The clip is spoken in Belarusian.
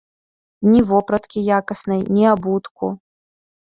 Ні вопраткі якаснай, ні абутку.